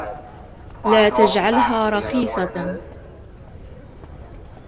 لا تجعلها رخيصة.